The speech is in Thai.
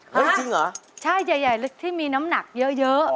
จริงเหรอใช่ใหญ่ที่มีน้ำหนักเยอะ